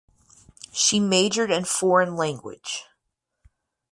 She majored in foreign language.